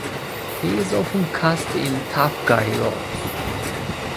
He is often cast in "tough-guy" roles.